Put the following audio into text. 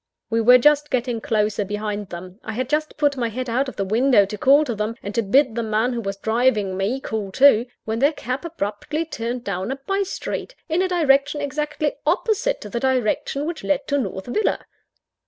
We were just getting closer behind them: I had just put my head out of the window to call to them, and to bid the man who was driving me, call, too when their cab abruptly turned down a bye street, in a direction exactly opposite to the direction which led to North Villa.